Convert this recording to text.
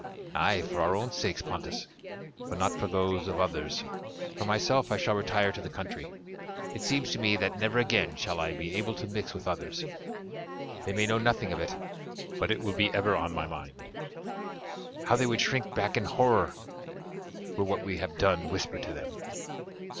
"Ay, for our own sakes, Pontus, but not for those of others. For myself I shall retire to the country; it seems to me that never again shall I be able to mix with others; they may know nothing of it, but it will be ever on my mind. How they would shrink back in horror were what we have done whispered to them!